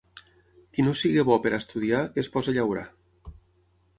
Qui no sigui bo per estudiar, que es posi a llaurar.